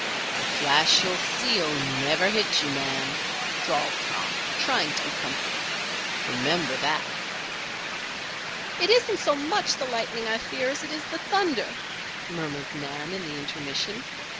"The flash you see'll never hit you, Nan," drawled Tom, trying to be comforting. "Remember that." "It isn't so much the lightning I fear as it is the thunder," murmured Nan, in the intermission.